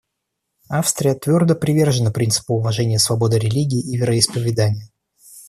Австрия твердо привержена принципу уважения свободы религии и вероисповедания.